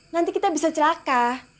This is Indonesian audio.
nanti kita bisa celaka